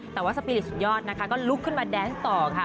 แต่ว่าสปีริตสุดยอดนะคะก็ลุกขึ้นมาแดนส์ต่อค่ะ